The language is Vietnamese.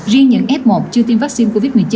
riêng những f một chưa tiêm vaccine covid một mươi chín